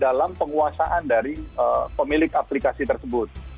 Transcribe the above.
dalam penguasaan dari pemilik aplikasi tersebut